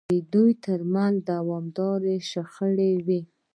دوی ترمنځ دوامداره شخړې وې.